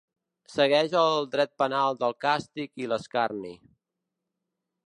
Segueix el dret penal del càstig i l'escarni.